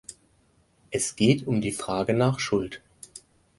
Es geht um die Frage nach Schuld.